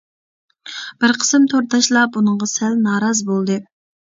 بىر قىسىم تورداشلار بۇنىڭغا سەل نارازى بولدى.